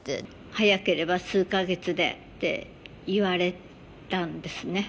早ければ数か月でって言われたんですね。